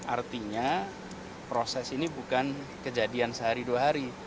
artinya proses ini bukan kejadian sehari dua hari